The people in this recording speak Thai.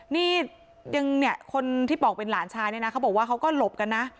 นี่ยังเนี่ยคนที่บอกเป็นหลานชายเนี่ยนะเขาบอกว่าเขาก็หลบกันนะ